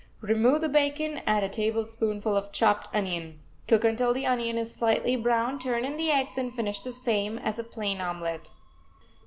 Remove the bacon, add a tablespoonful of chopped onion. Cook until the onion is slightly brown, turn in the eggs and finish the same as a plain omelet.